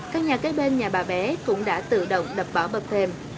các nhà cây bên nhà bà bé cũng đã tự động đập bỏ bậc thềm